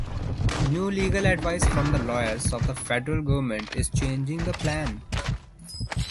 New legal advice from the lawyers of the Federal Government is changing the plan.